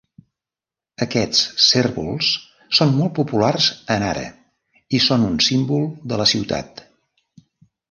Aquests cérvols són molt populars a Nara i són un símbol de la ciutat.